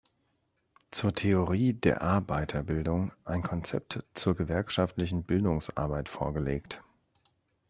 Zur Theorie der Arbeiterbildung" ein Konzept zur gewerkschaftlichen Bildungsarbeit vorgelegt.